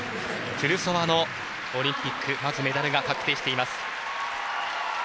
トゥルソワのオリンピックでのメダルが確定しています。